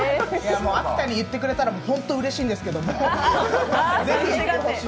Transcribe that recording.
秋田に行ってくれたら本当にうれしいんですけども。